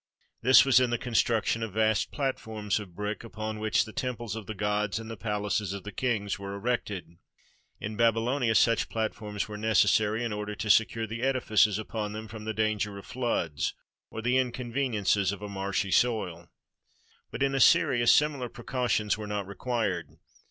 This was in the construction of vast platforms of brick, upon which the temples of the gods and the palaces of the kings were erected. In Babylonia such platforms were necessary, in order to secure the edifices upon them from the danger of floods or the inconveniences of a marshy soil. But in Assyria similar precautions were not re quired.